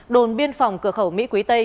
đồn biên phòng cửa khẩu mỹ quý tây